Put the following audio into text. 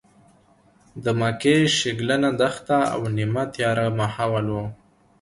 د مکې شګلنه دښته او نیمه تیاره ماحول و.